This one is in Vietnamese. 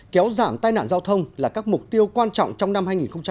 kéo giảm tai nạn giao thông là các mục tiêu quan trọng trong năm hai nghìn một mươi chín